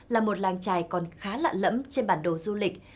là một làng trài còn khá lạ lẫm trên bản đồ du lịch